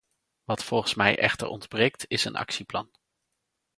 Wat volgens mij echter ontbreekt is een actieplan.